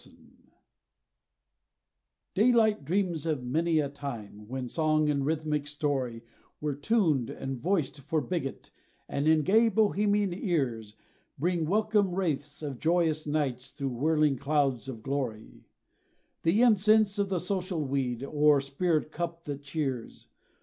] The daylight dreams of many a time, When song, and rhythmic story, Were tuned, and voiced for Bigot, and in gay Bohemian ears, Bring welcome wraiths of joyous nights, thro' whirling clouds of glory; The incense of the social weed, o'er spirit cup that cheers.